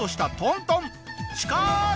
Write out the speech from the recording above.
しかし！